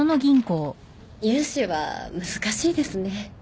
融資は難しいですね。